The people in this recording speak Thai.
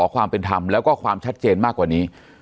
ความเป็นธรรมแล้วก็ความชัดเจนมากกว่านี้